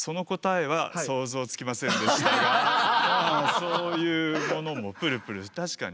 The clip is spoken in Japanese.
そういうものもプルプル確かにしてますね。